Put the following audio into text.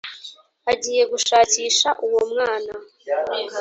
Agiye gushakisha uwo mwana